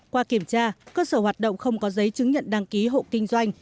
qua kiểm tra cơ sở hoạt động không có giấy chứng nhận đăng ký hộ kinh doanh